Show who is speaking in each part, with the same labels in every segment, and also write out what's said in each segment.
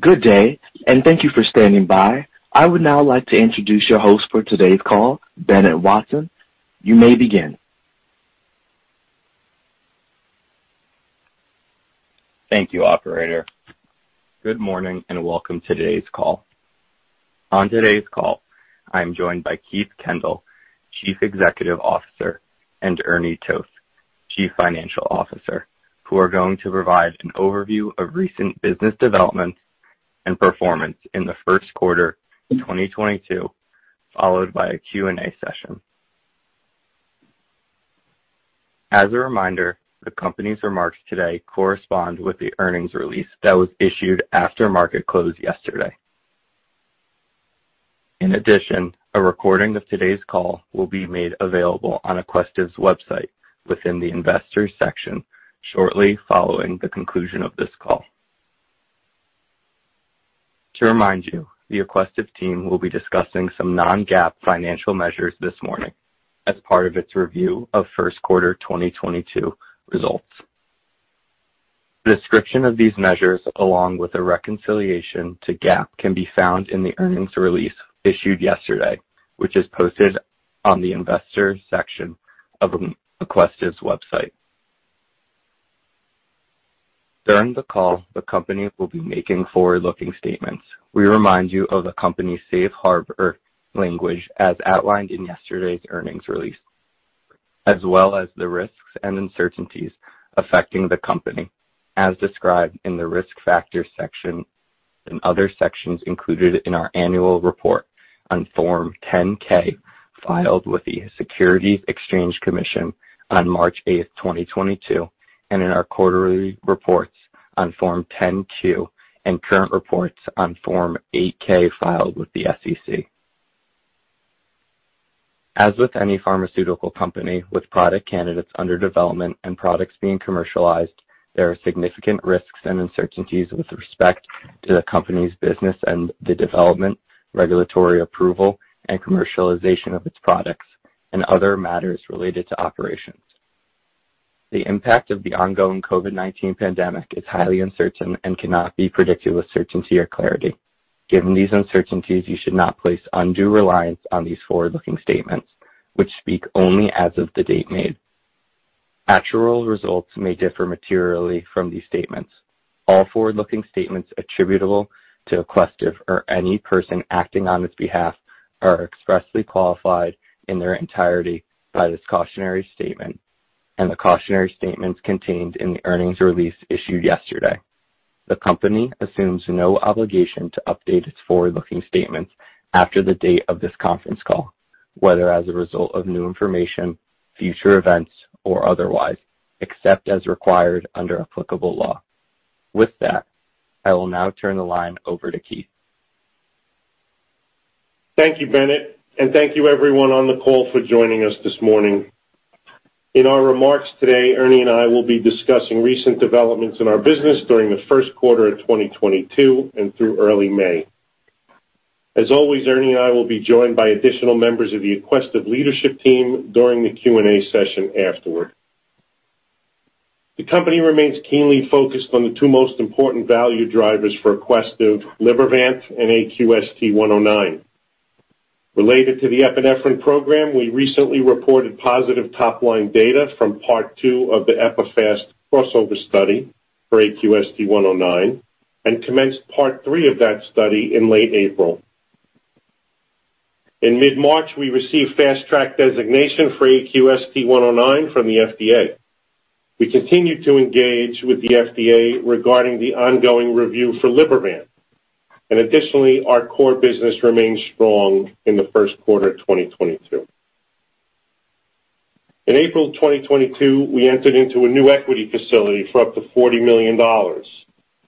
Speaker 1: Good day, and thank you for standing by. I would now like to introduce your host for today's call, Bennett Watson. You may begin.
Speaker 2: Thank you, operator. Good morning, and welcome to today's call. On today's call, I'm joined by Keith Kendall, Chief Executive Officer, and Ernie Toth, Chief Financial Officer, who are going to provide an overview of recent business developments and performance in the first quarter 2022, followed by a Q&A session. As a reminder, the company's remarks today correspond with the earnings release that was issued after market close yesterday. In addition, a recording of today's call will be made available on Aquestive's website within the investors section shortly following the conclusion of this call. To remind you, the Aquestive team will be discussing some non-GAAP financial measures this morning as part of its review of first quarter 2022 results. Description of these measures, along with a reconciliation to GAAP, can be found in the earnings release issued yesterday, which is posted on the investor section of Aquestive's website. During the call, the company will be making forward-looking statements. We remind you of the company's safe harbor language as outlined in yesterday's earnings release, as well as the risks and uncertainties affecting the company as described in the risk factors section and other sections included in our annual report on Form 10-K filed with the Securities and Exchange Commission on March 8th, 2022, and in our quarterly reports on Form 10-Q and current reports on Form 8-K filed with the SEC. As with any pharmaceutical company with product candidates under development and products being commercialized, there are significant risks and uncertainties with respect to the company's business and the development, regulatory approval, and commercialization of its products and other matters related to operations. The impact of the ongoing COVID-19 pandemic is highly uncertain and cannot be predicted with certainty or clarity. Given these uncertainties, you should not place undue reliance on these forward-looking statements, which speak only as of the date made. Actual results may differ materially from these statements. All forward-looking statements attributable to Aquestive or any person acting on its behalf are expressly qualified in their entirety by this cautionary statement and the cautionary statements contained in the earnings release issued yesterday. The company assumes no obligation to update its forward-looking statements after the date of this conference call, whether as a result of new information, future events, or otherwise, except as required under applicable law. With that, I will now turn the line over to Keith.
Speaker 3: Thank you, Bennett, and thank you everyone on the call for joining us this morning. In our remarks today, Ernie and I will be discussing recent developments in our business during the first quarter of 2022 and through early May. As always, Ernie and I will be joined by additional members of the Aquestive leadership team during the Q&A session afterward. The company remains keenly focused on the two most important value drivers for Aquestive, Libervant and AQST-109. Related to the epinephrine program, we recently reported positive top-line data from Part 2 of the EPIPHAST crossover study for AQST-109 and commenced Part 3 of that study in late April. In mid-March, we received Fast Track designation for AQST-109 from the FDA. We continue to engage with the FDA regarding the ongoing review for Libervant. Additionally, our core business remains strong in the first quarter of 2022. In April 2022, we entered into a new equity facility for up to $40 million.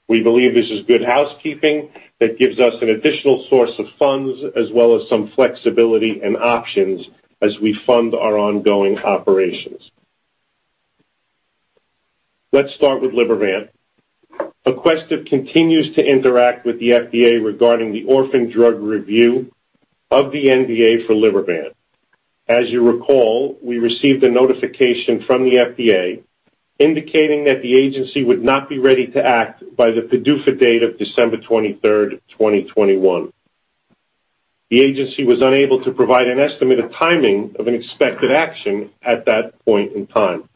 Speaker 3: We believe this is good housekeeping that gives us an additional source of funds as well as some flexibility and options as we fund our ongoing operations. Let's start with Libervant. Aquestive continues to interact with the FDA regarding the orphan drug review of the NDA for Libervant. As you recall, we received a notification from the FDA indicating that the agency would not be ready to act by the PDUFA date of December 23rd, 2021. The agency was unable to provide an estimate of timing of an expected action at that point in time.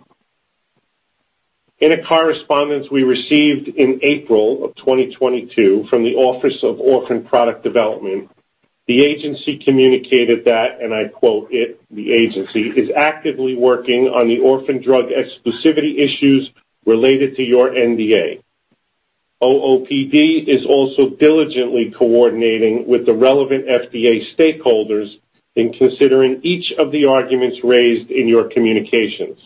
Speaker 3: In a correspondence we received in April of 2022 from the Office of Orphan Products Development, the agency communicated that, and I quote, "It, the agency, is actively working on the orphan drug exclusivity issues related to your NDA. OOPD is also diligently coordinating with the relevant FDA stakeholders in considering each of the arguments raised in your communications.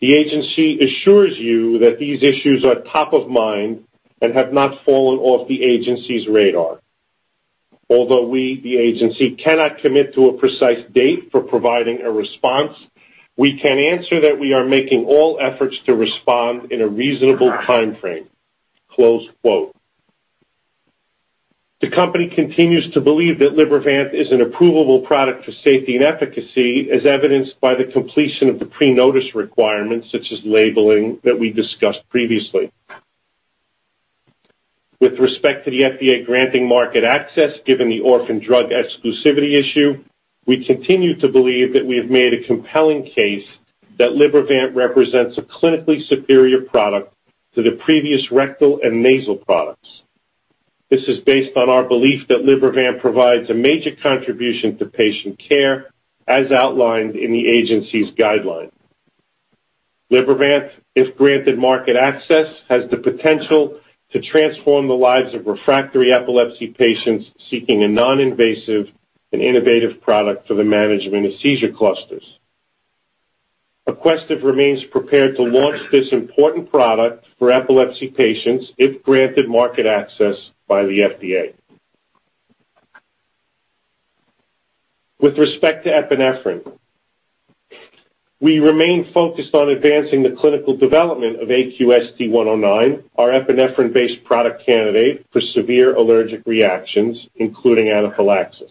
Speaker 3: The agency assures you that these issues are top of mind and have not fallen off the agency's radar. Although we, the agency, cannot commit to a precise date for providing a response, we can answer that we are making all efforts to respond in a reasonable time frame." Close quote. The company continues to believe that Libervant is an approvable product for safety and efficacy, as evidenced by the completion of the pre-notice requirements, such as labeling that we discussed previously. With respect to the FDA granting market access, given the orphan drug exclusivity issue, we continue to believe that we have made a compelling case that Libervant represents a clinically superior product to the previous rectal and nasal products. This is based on our belief that Libervant provides a major contribution to patient care as outlined in the agency's guideline. Libervant, if granted market access, has the potential to transform the lives of refractory epilepsy patients seeking a non-invasive and innovative product for the management of seizure clusters. Aquestive remains prepared to launch this important product for epilepsy patients if granted market access by the FDA. With respect to epinephrine, we remain focused on advancing the clinical development of AQST-109, our epinephrine-based product candidate for severe allergic reactions, including anaphylaxis.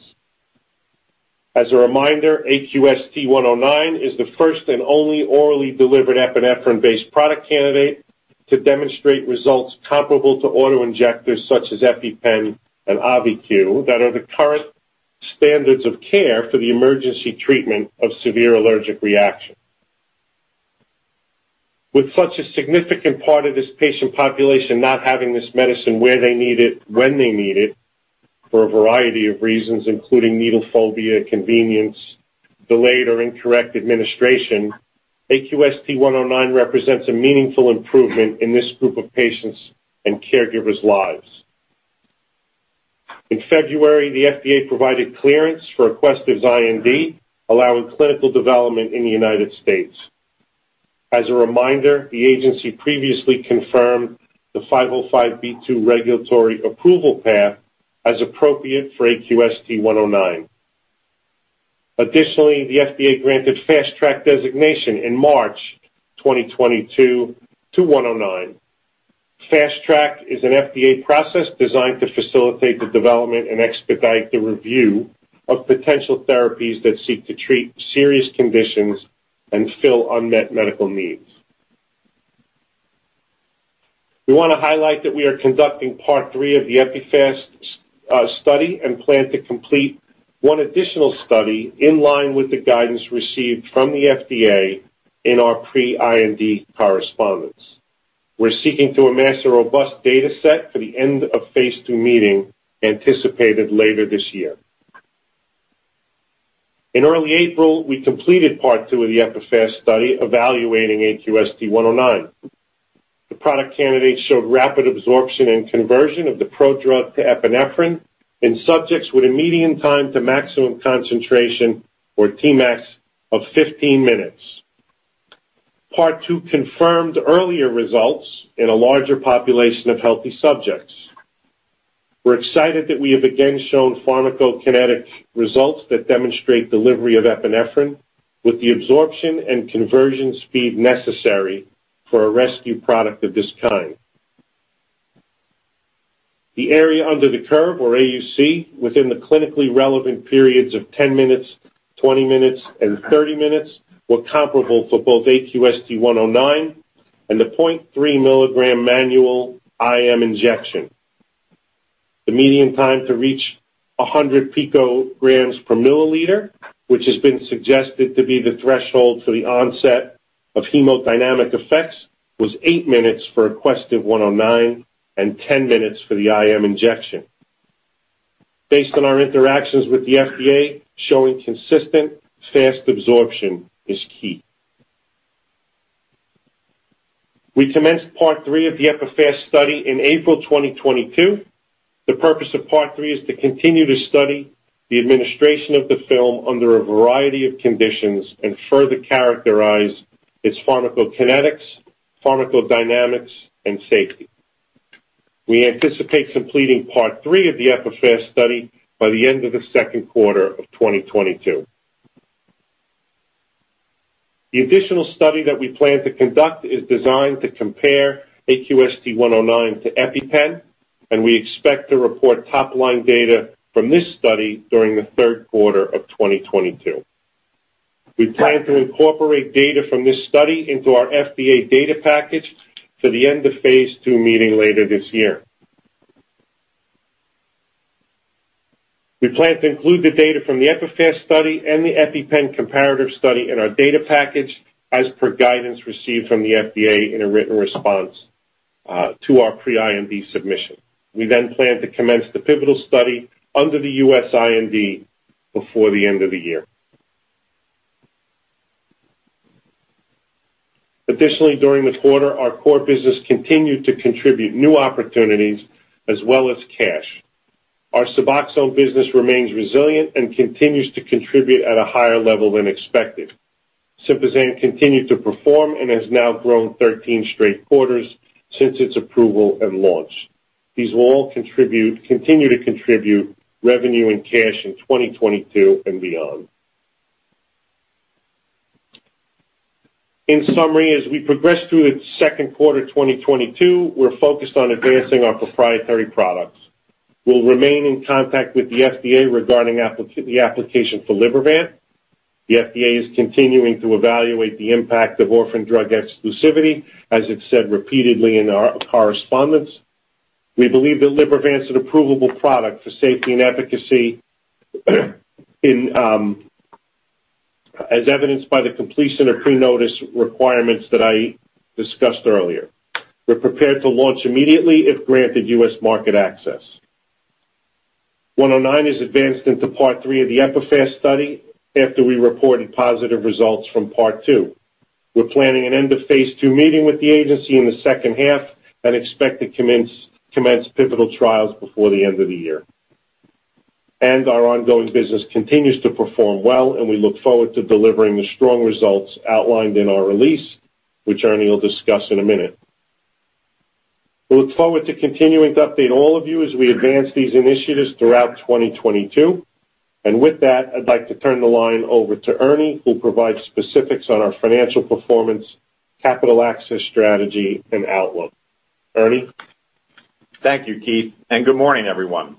Speaker 3: As a reminder, AQST-109 is the first and only orally delivered epinephrine-based product candidate to demonstrate results comparable to auto-injectors such as EpiPen and Auvi-Q that are the current standards of care for the emergency treatment of severe allergic reactions. With such a significant part of this patient population not having this medicine where they need it, when they need it for a variety of reasons, including needle phobia, convenience, delayed or incorrect administration, AQST-109 represents a meaningful improvement in this group of patients' and caregivers' lives. In February, the FDA provided clearance for Aquestive's IND, allowing clinical development in the United States. As a reminder, the agency previously confirmed the 505(b)(2) regulatory approval path as appropriate for AQST-109. Additionally, the FDA granted Fast Track designation in March 2022 to 109. Fast Track is an FDA process designed to facilitate the development and expedite the review of potential therapies that seek to treat serious conditions and fill unmet medical needs. We want to highlight that we are conducting Part 3 of the EPIPHAST study and plan to complete one additional study in line with the guidance received from the FDA in our pre-IND correspondence. We are seeking to amass a robust data set for the end-of-phase two meeting anticipated later this year. In early April, we completed Part 2 of the EPIPHAST study evaluating AQST-109. The product candidate showed rapid absorption and conversion of the prodrug to epinephrine in subjects with a median time to maximum concentration or Tmax of 15 minutes. Part 2 confirmed earlier results in a larger population of healthy subjects. We're excited that we have again shown pharmacokinetic results that demonstrate delivery of epinephrine with the absorption and conversion speed necessary for a rescue product of this kind. The area under the curve or AUC within the clinically relevant periods of 10 minutes, 20 minutes, and 30 minutes were comparable for both AQST-109 and the 0.3 mg manual IM injection. The median time to reach 100 pg/ml, which has been suggested to be the threshold for the onset of hemodynamic effects, was eight minutes for Aquestive 109 and 10 minutes for the IM injection. Based on our interactions with the FDA, showing consistent fast absorption is key. We commenced Part 3 of the EPIPHAST study in April 2022. The purpose of Part 3 is to continue to study the administration of the film under a variety of conditions and further characterize its pharmacokinetics, pharmacodynamics, and safety. We anticipate completing Part 3 of the EPIPHAST study by the end of the second quarter of 2022. The additional study that we plan to conduct is designed to compare AQST-109 to EpiPen, and we expect to report top-line data from this study during the third quarter of 2022. We plan to incorporate data from this study into our FDA data package for the end-of-phase two meeting later this year. We plan to include the data from the EPIPHAST study and the EpiPen comparative study in our data package as per guidance received from the FDA in a written response to our pre-IND submission. We plan to commence the pivotal study under the U.S. IND before the end of the year. Additionally, during the quarter, our core business continued to contribute new opportunities as well as cash. Our SUBOXONE business remains resilient and continues to contribute at a higher level than expected. SYMPAZAN continued to perform and has now grown 13 straight quarters since its approval and launch. These will all continue to contribute revenue and cash in 2022 and beyond. In summary, as we progress through the second quarter 2022, we're focused on advancing our proprietary products. We'll remain in contact with the FDA regarding the application for Libervant. The FDA is continuing to evaluate the impact of orphan drug exclusivity, as it said repeatedly in our correspondence. We believe that Libervant's an approvable product for safety and efficacy in, as evidenced by the completion of pre-notice requirements that I discussed earlier. We're prepared to launch immediately if granted U.S. market access. 109 is advanced into Part 3 of the EPIPHAST study after we reported positive results from Part 2. We're planning an end-of-phase two meeting with the agency in the second half and expect to commence pivotal trials before the end of the year. Our ongoing business continues to perform well, and we look forward to delivering the strong results outlined in our release, which Ernie will discuss in a minute. We look forward to continuing to update all of you as we advance these initiatives throughout 2022. With that, I'd like to turn the line over to Ernie, who'll provide specifics on our financial performance, capital access strategy and outlook. Ernie?
Speaker 4: Thank you, Keith, and good morning, everyone.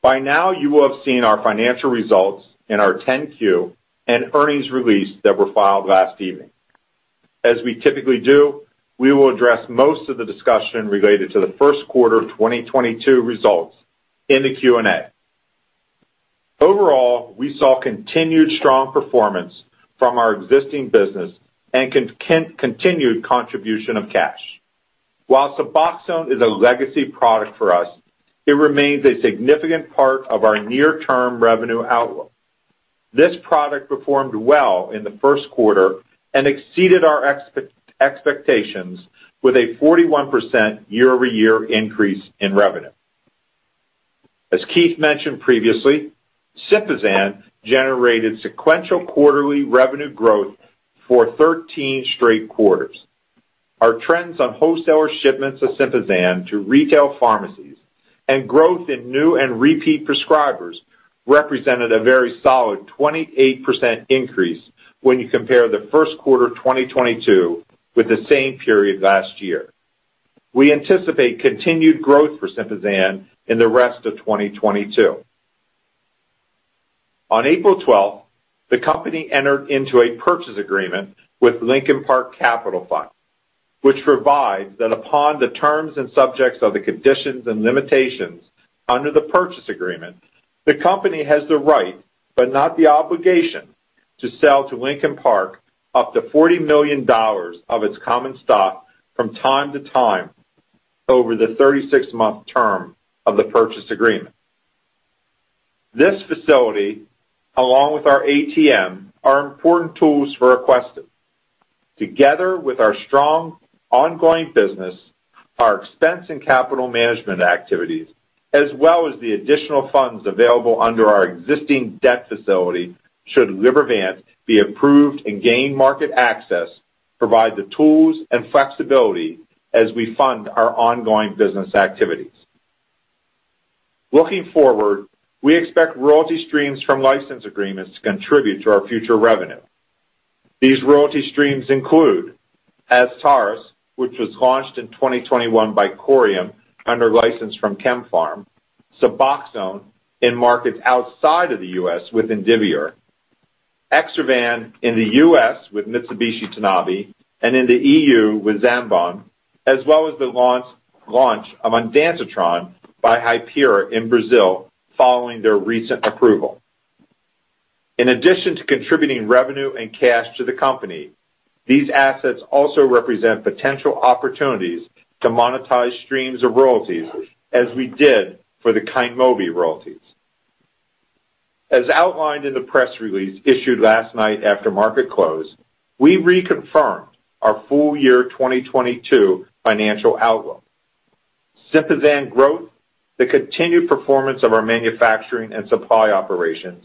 Speaker 4: By now, you will have seen our financial results and our 10-Q and earnings release that were filed last evening. As we typically do, we will address most of the discussion related to the first quarter 2022 results in the Q&A. Overall, we saw continued strong performance from our existing business and continued contribution of cash. While SUBOXONE is a legacy product for us, it remains a significant part of our near-term revenue outlook. This product performed well in the first quarter and exceeded our expectations with a 41% year-over-year increase in revenue. As Keith mentioned previously, SYMPAZAN generated sequential quarterly revenue growth for 13 straight quarters. Our trends on wholesaler shipments of SYMPAZAN to retail pharmacies and growth in new and repeat prescribers represented a very solid 28% increase when you compare the first quarter 2022 with the same period last year. We anticipate continued growth for SYMPAZAN in the rest of 2022. On April 12th, the company entered into a purchase agreement with Lincoln Park Capital Fund, which provides that upon the terms and subject to the conditions and limitations under the purchase agreement, the company has the right, but not the obligation, to sell to Lincoln Park up to $40 million of its common stock from time to time over the 36-month term of the purchase agreement. This facility, along with our ATM, are important tools for Aquestive. Together with our strong ongoing business, our expense and capital management activities, as well as the additional funds available under our existing debt facility should Libervant be approved and gain market access, provide the tools and flexibility as we fund our ongoing business activities. Looking forward, we expect royalty streams from license agreements to contribute to our future revenue. These royalty streams include AZSTARYS, which was launched in 2021 by Corium under license from KemPharm, SUBOXONE in markets outside of the U.S. with Indivior, EXSERVAN in the U.S. with Mitsubishi Tanabe, and in the EU with Zambon, as well as the launch of ondansetron by Hypera in Brazil following their recent approval. In addition to contributing revenue and cash to the company, these assets also represent potential opportunities to monetize streams of royalties as we did for the Kynmobi royalties. As outlined in the press release issued last night after market close, we reconfirmed our full year 2022 financial outlook. SYMPAZAN growth, the continued performance of our manufacturing and supply operations,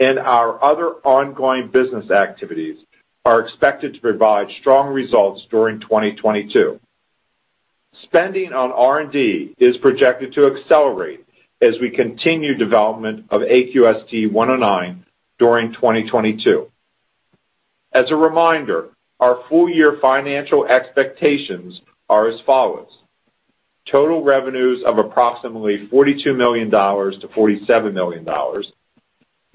Speaker 4: and our other ongoing business activities are expected to provide strong results during 2022. Spending on R&D is projected to accelerate as we continue development of AQST-109 during 2022. As a reminder, our full year financial expectations are as follows. Total revenues of approximately $42 million-$47 million.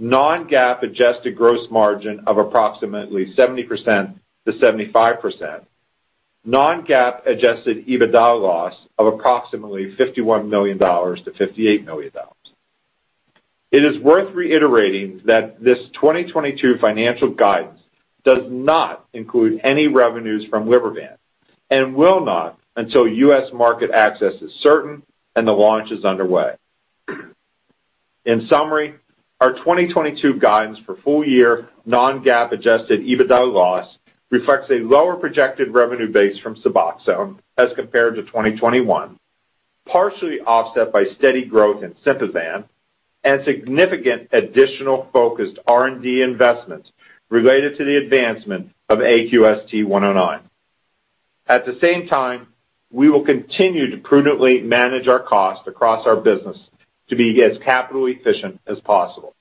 Speaker 4: Non-GAAP adjusted gross margin of approximately 70%-75%. Non-GAAP adjusted EBITDA loss of approximately $51 million-$58 million. It is worth reiterating that this 2022 financial guidance does not include any revenues from Libervant and will not until U.S. market access is certain and the launch is underway. In summary, our 2022 guidance for full-year non-GAAP adjusted EBITDA loss reflects a lower projected revenue base from SUBOXONE as compared to 2021, partially offset by steady growth in SYMPAZAN and significant additional focused R&D investments related to the advancement of AQST-109. At the same time, we will continue to prudently manage our costs across our business to be as capital efficient as possible.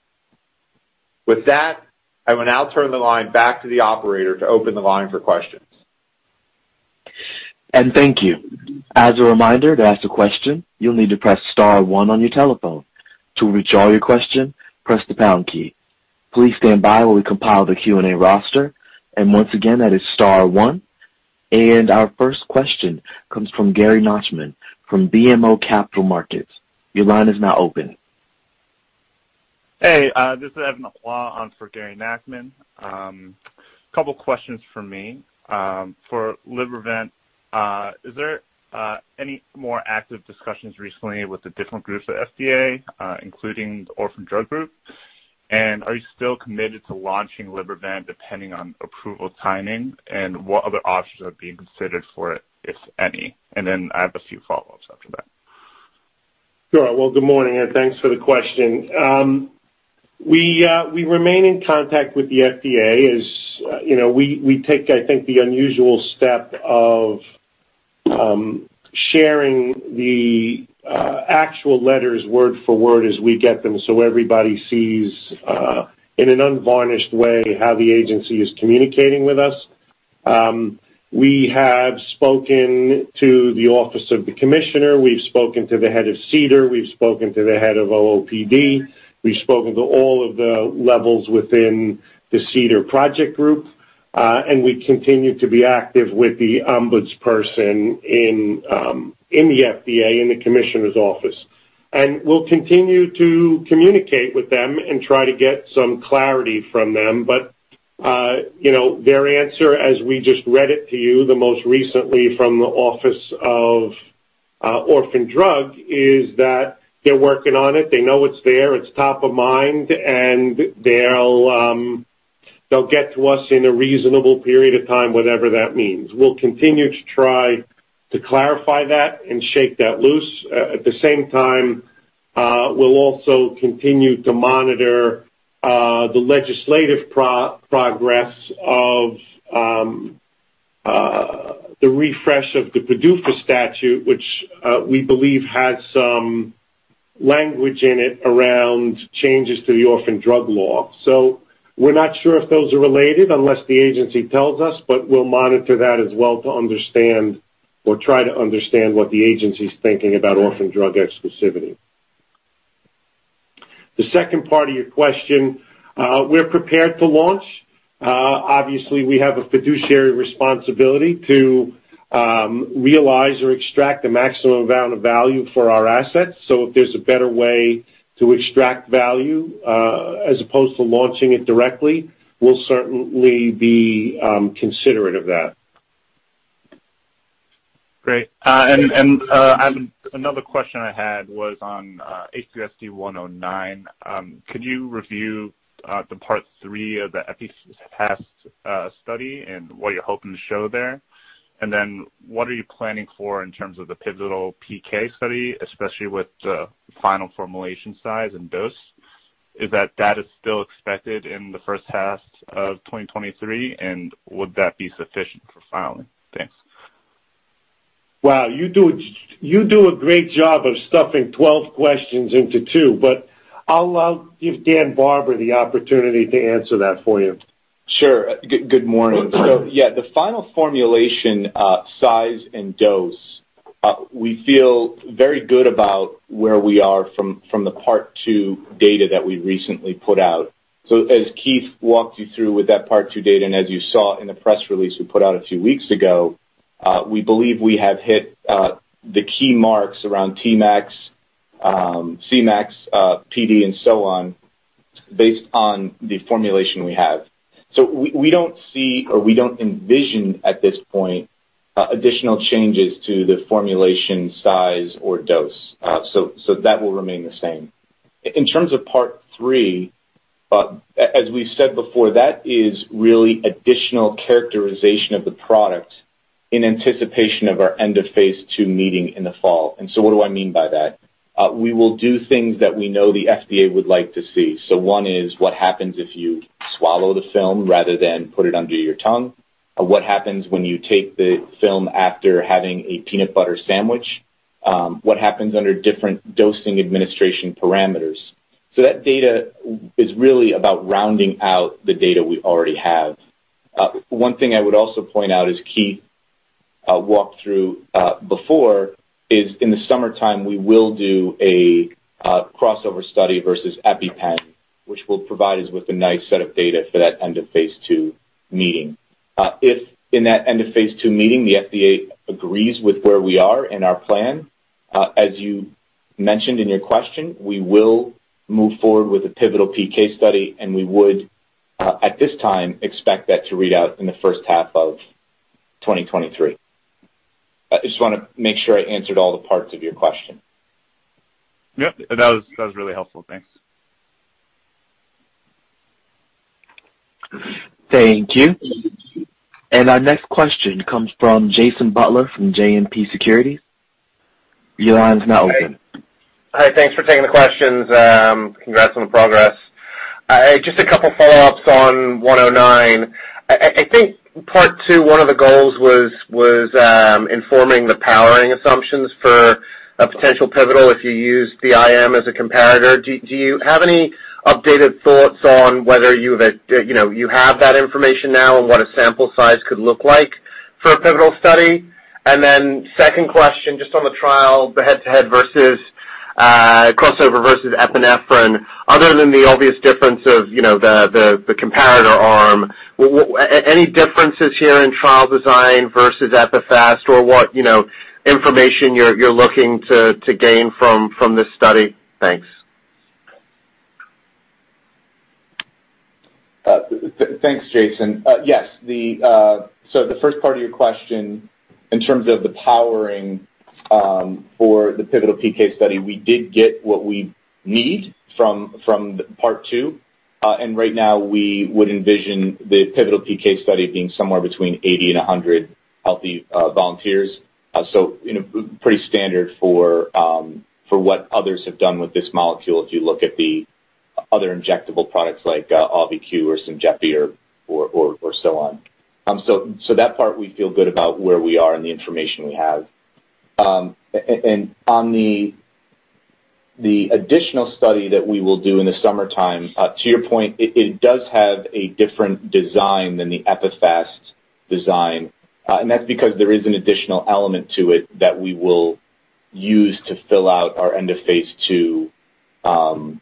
Speaker 4: With that, I will now turn the line back to the operator to open the line for questions.
Speaker 1: Thank you. As a reminder, to ask a question, you'll need to press star one on your telephone. To withdraw your question, press the pound key. Please stand by while we compile the Q&A roster. Once again, that is star one. Our first question comes from Gary Nachman from BMO Capital Markets. Your line is now open.
Speaker 5: This is Evan Seigerman on for Gary Nachman. Couple questions from me. For Libervant, is there any more active discussions recently with the different groups at FDA, including the Orphan Drug Group? Are you still committed to launching Libervant depending on approval timing? What other options are being considered for it, if any? Then I have a few follow-ups after that.
Speaker 3: Sure. Well, good morning, and thanks for the question. We remain in contact with the FDA as you know, we take, I think, the unusual step of sharing the actual letters word for word as we get them so everybody sees in an unvarnished way how the agency is communicating with us. We have spoken to the office of the commissioner. We've spoken to the head of CDER. We've spoken to the head of OOPD. We've spoken to all of the levels within the CDER project group, and we continue to be active with the ombudsperson in the FDA, in the commissioner's office. We'll continue to communicate with them and try to get some clarity from them. You know, their answer, as we just read it to you, the most recently from the Office of Orphan Products Development, is that they're working on it. They know it's there, it's top of mind, and they'll get to us in a reasonable period of time, whatever that means. We'll continue to try to clarify that and shake that loose. At the same time, we'll also continue to monitor the legislative progress of the refresh of the PDUFA statute, which we believe had some language in it around changes to the Orphan Drug Act. We're not sure if those are related unless the agency tells us, but we'll monitor that as well to understand or try to understand what the agency's thinking about orphan drug exclusivity. The second part of your question, we're prepared to launch. Obviously, we have a fiduciary responsibility to realize or extract the maximum amount of value for our assets. If there's a better way to extract value, as opposed to launching it directly, we'll certainly be considerate of that.
Speaker 5: Great. Another question I had was on AQST-109. Could you review the Part 3 of the EPIPHAST study and what you're hoping to show there? And then what are you planning for in terms of the pivotal PK study, especially with the final formulation size and dose? Is that still expected in the first half of 2023, and would that be sufficient for filing? Thanks.
Speaker 3: Wow, you do a great job of stuffing 12 questions into two, but I'll give Dan Barber the opportunity to answer that for you.
Speaker 6: Sure. Good morning. Yeah, the final formulation, size and dose, we feel very good about where we are from the Part 2 data that we recently put out. As Keith walked you through with that Part 2 data, and as you saw in the press release we put out a few weeks ago, we believe we have hit the key marks around Tmax, Cmax, PD and so on, based on the formulation we have. We don't see or we don't envision at this point additional changes to the formulation size or dose. That will remain the same. In terms of Part 3, as we've said before, that is really additional characterization of the product in anticipation of our end-of-phase two meeting in the fall. What do I mean by that? We will do things that we know the FDA would like to see. One is what happens if you swallow the film rather than put it under your tongue? What happens when you take the film after having a peanut butter sandwich? What happens under different dosing administration parameters? That data is really about rounding out the data we already have. One thing I would also point out as Keith walked through before is in the summertime, we will do a crossover study versus EpiPen, which will provide us with a nice set of data for that end-of-phase two meeting. If in that end-of-phase two meeting, the FDA agrees with where we are in our plan, as you mentioned in your question, we will move forward with a pivotal PK study, and we would, at this time, expect that to read out in the first half of 2023. I just wanna make sure I answered all the parts of your question.
Speaker 5: Yep. That was really helpful. Thanks.
Speaker 1: Thank you. Our next question comes from Jason Butler from JMP Securities. Your line's now open.
Speaker 7: Hi. Thanks for taking the questions. Congrats on the progress. Just a couple follow-ups on 109. I think Part 2, one of the goals was informing the powering assumptions for a potential pivotal if you use the IM as a comparator. Do you have any updated thoughts on whether you've, you know, you have that information now and what a sample size could look like for a pivotal study? Second question, just on the trial, the head-to-head versus crossover versus epinephrine. Other than the obvious difference of, you know, the comparator arm, any differences here in trial design versus EPIPHAST or what, you know, information you're looking to gain from this study? Thanks.
Speaker 6: Thanks, Jason. Yes, the first part of your question in terms of the powering for the pivotal PK study, we did get what we need from Part 2. Right now we would envision the pivotal PK study being somewhere between 80 and 100 healthy volunteers. You know, pretty standard for what others have done with this molecule if you look at the other injectable products like Auvi-Q or Symjepi or so on. That part we feel good about where we are and the information we have. On the additional study that we will do in the summertime, to your point, it does have a different design than the EPIPHAST design, and that's because there is an additional element to it that we will use to fill out our end-of-phase two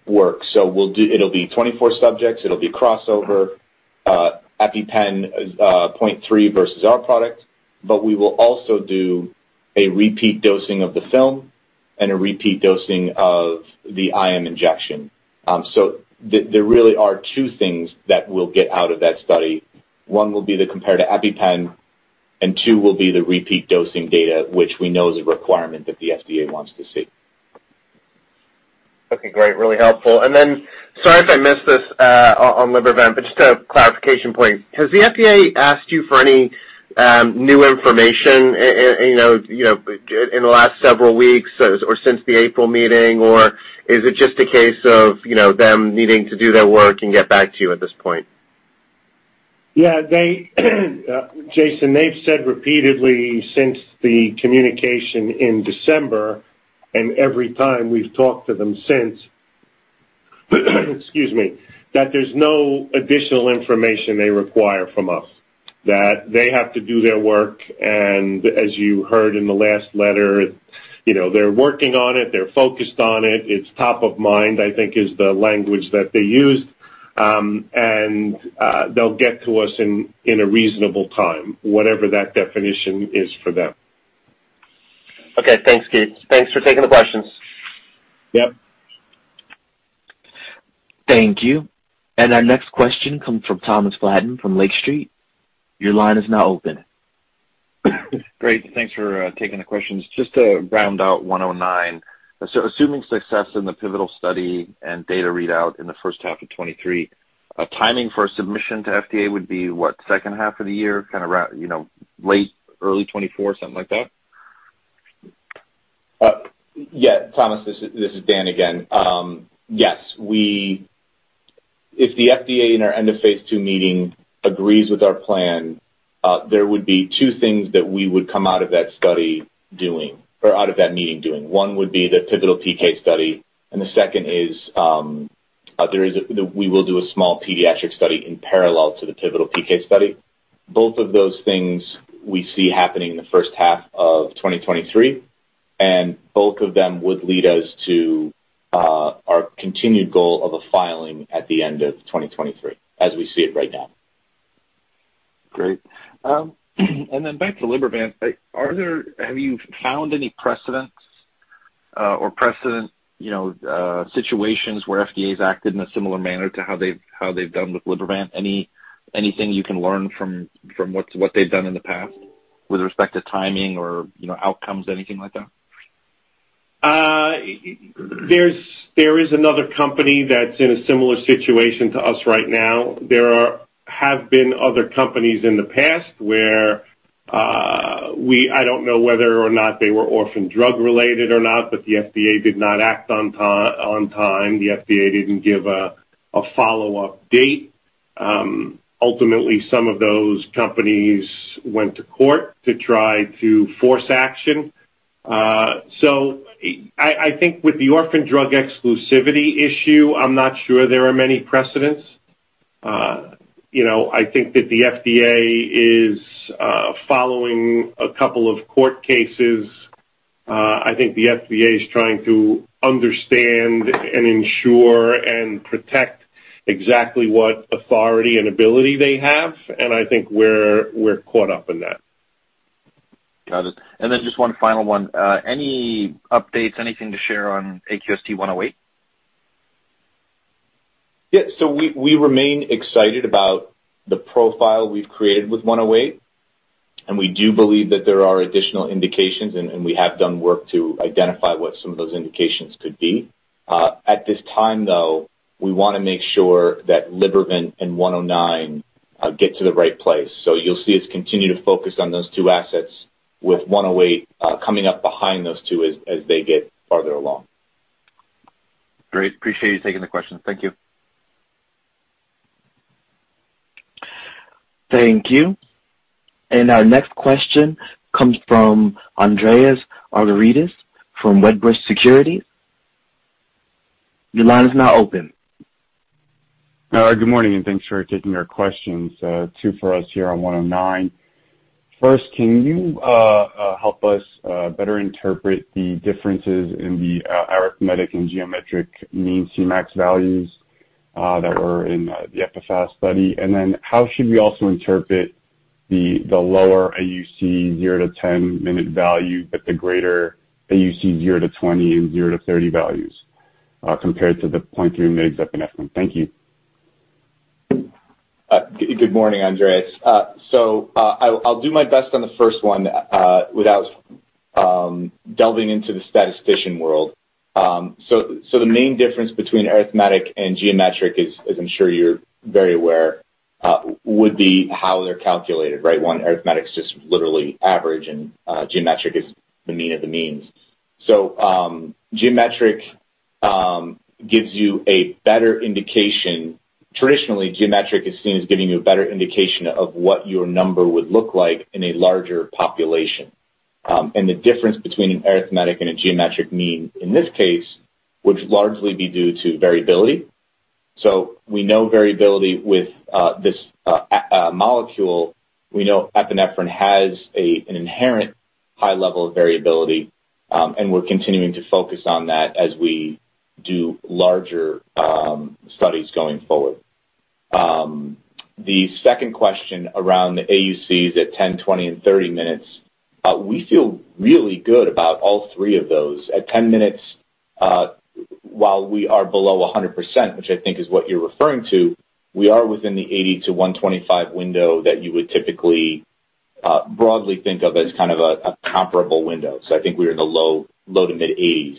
Speaker 6: work. It'll be 24 subjects. It'll be crossover, EpiPen 0.3 versus our product, but we will also do a repeat dosing of the film and a repeat dosing of the IM injection. There really are two things that we'll get out of that study. One will be the comparison to EpiPen, and two will be the repeat dosing data, which we know is a requirement that the FDA wants to see.
Speaker 7: Okay, great. Really helpful. Then, sorry if I missed this, on Libervant, but just a clarification point. Has the FDA asked you for any, new information, you know, in the last several weeks or since the April meeting? Or is it just a case of, you know, them needing to do their work and get back to you at this point?
Speaker 3: Yeah. They, Jason, they've said repeatedly since the communication in December and every time we've talked to them since. That there's no additional information they require from us, that they have to do their work. As you heard in the last letter, you know, they're working on it. They're focused on it. It's top of mind, I think is the language that they used. They'll get to us in a reasonable time, whatever that definition is for them.
Speaker 7: Okay. Thanks, Keith. Thanks for taking the questions.
Speaker 3: Yep.
Speaker 1: Thank you. Our next question comes from Thomas Flaten from Lake Street. Your line is now open.
Speaker 8: Great. Thanks for taking the questions. Just to round out 109. Assuming success in the pivotal study and data readout in the first half of 2023, timing for a submission to FDA would be what? Second half of the year, you know, late, early 2024, something like that?
Speaker 6: Yeah, Thomas, this is Dan again. Yes, if the FDA in our end-of-phase two meeting agrees with our plan, there would be two things that we would come out of that study doing or out of that meeting doing. One would be the pivotal PK study, and the second is we will do a small pediatric study in parallel to the pivotal PK study. Both of those things we see happening in the first half of 2023, and both of them would lead us to our continued goal of a filing at the end of 2023, as we see it right now.
Speaker 8: Great. Back to Libervant. Have you found any precedents or precedent, you know, situations where FDA's acted in a similar manner to how they've done with Libervant? Anything you can learn from what they've done in the past with respect to timing or, you know, outcomes, anything like that?
Speaker 3: There is another company that's in a similar situation to us right now. There have been other companies in the past where I don't know whether or not they were Orphan Drug-related or not, but the FDA did not act on time. The FDA didn't give a follow-up date. Ultimately some of those companies went to court to try to force action. I think with the Orphan Drug exclusivity issue, I'm not sure there are many precedents. You know, I think that the FDA is following a couple of court cases. I think the FDA is trying to understand and ensure and protect exactly what authority and ability they have, and I think we're caught up in that.
Speaker 8: Got it. Just one final one. Any updates, anything to share on AQST-108?
Speaker 6: Yeah. We remain excited about the profile we've created with 108, and we do believe that there are additional indications, and we have done work to identify what some of those indications could be. At this time, though, we wanna make sure that Libervant and 109 get to the right place. You'll see us continue to focus on those two assets with 108 coming up behind those two as they get farther along.
Speaker 8: Great. Appreciate you taking the question. Thank you.
Speaker 1: Thank you. Our next question comes from Andreas Argyrides from Wedbush Securities. Your line is now open.
Speaker 9: Good morning, and thanks for taking our questions. Two for us here on 109. First, can you help us better interpret the differences in the arithmetic and geometric mean Cmax values that were in the EPIPHAST study? Then how should we also interpret the lower AUC 0-10 minute value, but the greater AUC 0-20 and AUC 0-30 values compared to the 0.3 mg epinephrine? Thank you.
Speaker 6: Good morning, Andreas. I'll do my best on the first one without delving into the statistician world. The main difference between arithmetic and geometric is, as I'm sure you're very aware, would be how they're calculated, right? One, arithmetic is just literally average, and geometric is the mean of the means. Geometric gives you a better indication. Traditionally, geometric is seen as giving you a better indication of what your number would look like in a larger population. The difference between an arithmetic and a geometric mean in this case would largely be due to variability. We know variability with this molecule. We know epinephrine has an inherent high level of variability, and we're continuing to focus on that as we do larger studies going forward. The second question around the AUCs at 10, 20, and 30 minutes, we feel really good about all three of those. At 10 minutes, while we are below 100%, which I think is what you're referring to, we are within the 80-125 window that you would typically broadly think of as kind of a comparable window. I think we are in the low- to mid-80s.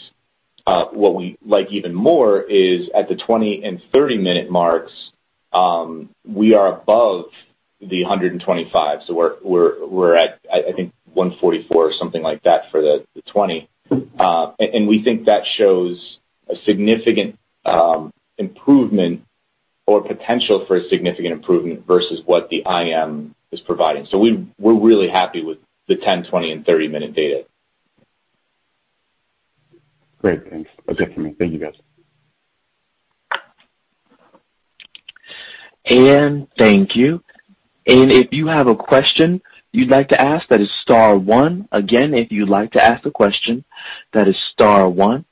Speaker 6: What we like even more is at the 20- and 30-minute marks, we are above the 125, so we're at, I think, 144 or something like that for the 20. And we think that shows a significant improvement or potential for a significant improvement versus what the IM is providing. We're really happy with the 10, 20, and 30-minute data.
Speaker 9: Great. Thanks. That's it for me. Thank you, guys.
Speaker 1: Thank you. If you have a question you'd like to ask, that is star one. Again, if you'd like to ask a question, that is star one.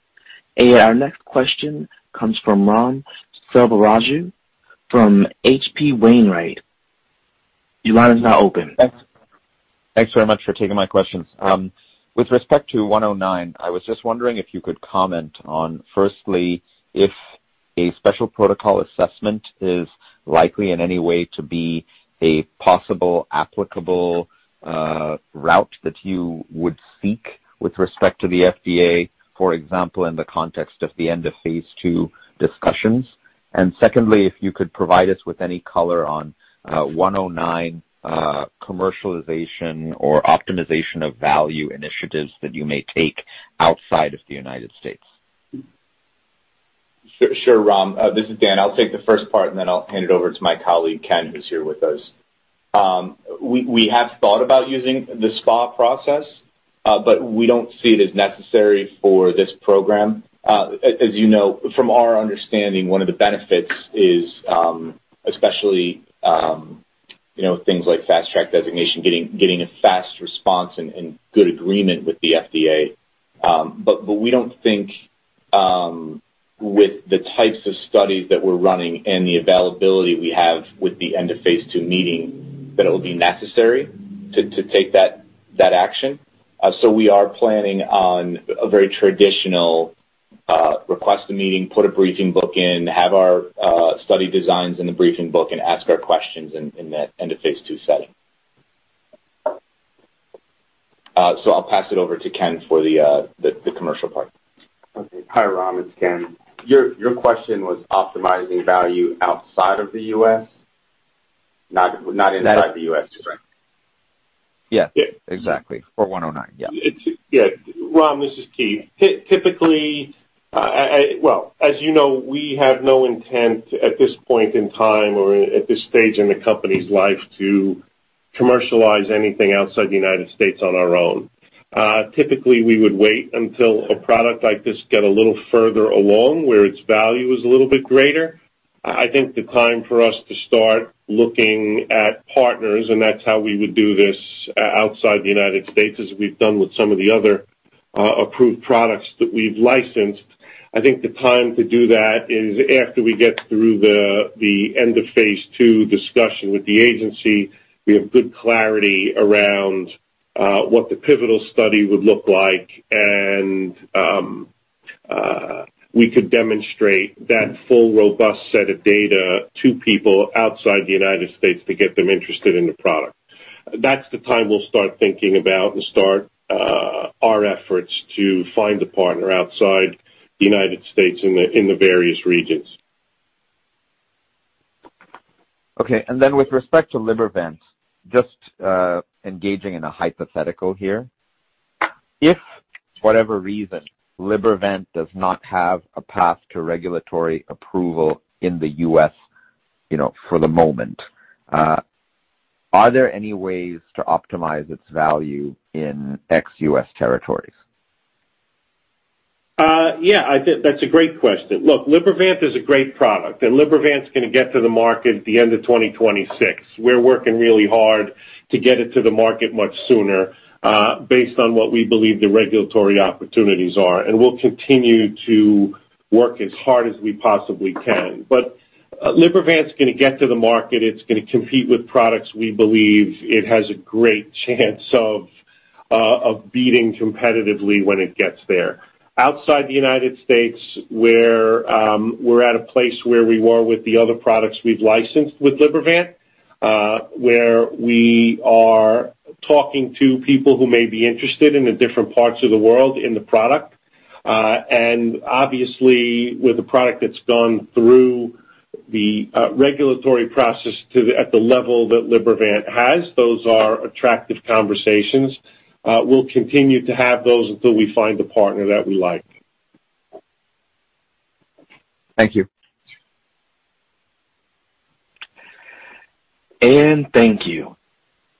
Speaker 1: Our next question comes from Ram Selvaraju from H.C. Wainwright. Your line is now open.
Speaker 10: Thanks. Thanks very much for taking my questions. With respect to 109, I was just wondering if you could comment on, firstly, if a Special Protocol Assessment is likely in any way to be a possible applicable route that you would seek with respect to the FDA, for example, in the context of the end-of-phase two discussions. Secondly, if you could provide us with any color on 109 commercialization or optimization of value initiatives that you may take outside of the United States.
Speaker 6: Sure, Ram. This is Dan. I'll take the first part, and then I'll hand it over to my colleague, Ken, who's here with us. We have thought about using the SPA process, but we don't see it as necessary for this program. As you know, from our understanding, one of the benefits is, especially, you know, things like Fast Track designation, getting a fast response and good agreement with the FDA. We don't think, with the types of studies that we're running and the availability we have with the end-of-phase two meeting, that it'll be necessary to take that action. We are planning on a very traditional request a meeting, put a briefing book in, have our study designs in the briefing book and ask our questions in that end-of-phase two setting. I'll pass it over to Ken for the commercial part.
Speaker 11: Okay. Hi, Ram. It's Ken. Your question was optimizing value outside of the U.S., not inside the U.S., correct?
Speaker 10: Yeah.
Speaker 3: Yeah.
Speaker 10: Exactly. For 109. Yeah.
Speaker 3: Yeah. Ram, this is Keith. Typically, well, as you know, we have no intent at this point in time or at this stage in the company's life to commercialize anything outside the United States on our own. Typically, we would wait until a product like this get a little further along, where its value is a little bit greater. I think the time for us to start looking at partners, and that's how we would do this outside the United States, as we've done with some of the other approved products that we've licensed. I think the time to do that is after we get through the end-of-phase two discussion with the agency. We have good clarity around what the pivotal study would look like, and we could demonstrate that full, robust set of data to people outside the United States to get them interested in the product. That's the time we'll start thinking about and start our efforts to find a partner outside the United States in the various regions.
Speaker 10: Okay. With respect to Libervant, just, engaging in a hypothetical here. If for whatever reason, Libervant does not have a path to regulatory approval in the U.S., you know, for the moment, are there any ways to optimize its value in ex-U.S. territories?
Speaker 3: Yeah, I think that's a great question. Look, Libervant is a great product, and Libervant's gonna get to the market at the end of 2026. We're working really hard to get it to the market much sooner, based on what we believe the regulatory opportunities are. We'll continue to work as hard as we possibly can. Libervant's gonna get to the market. It's gonna compete with products we believe it has a great chance of beating competitively when it gets there. Outside the United States, where we're at a place where we were with the other products we've licensed with Libervant, where we are talking to people who may be interested in the different parts of the world in the product. Obviously with a product that's gone through the regulatory process at the level that Libervant has, those are attractive conversations. We'll continue to have those until we find a partner that we like.
Speaker 10: Thank you.
Speaker 1: Thank you.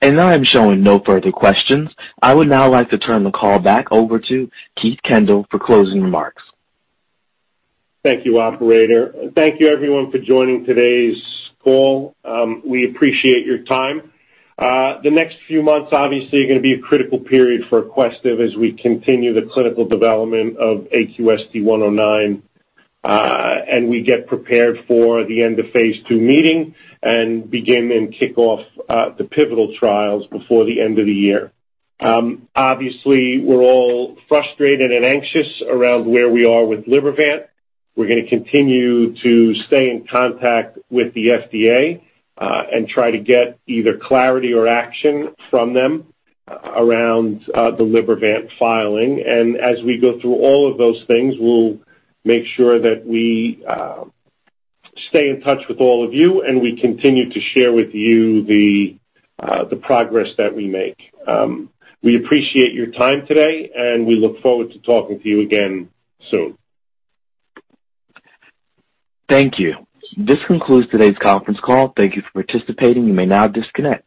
Speaker 1: Now I'm showing no further questions. I would now like to turn the call back over to Keith Kendall for closing remarks.
Speaker 3: Thank you, operator. Thank you everyone for joining today's call. We appreciate your time. The next few months obviously are gonna be a critical period for Aquestive as we continue the clinical development of AQST-109, and we get prepared for the end-of-phase two meeting and begin and kick off the pivotal trials before the end of the year. Obviously, we're all frustrated and anxious around where we are with Libervant. We're gonna continue to stay in contact with the FDA, and try to get either clarity or action from them around the Libervant filing. As we go through all of those things, we'll make sure that we stay in touch with all of you, and we continue to share with you the progress that we make. We appreciate your time today, and we look forward to talking to you again soon.
Speaker 1: Thank you. This concludes today's conference call. Thank you for participating. You may now disconnect.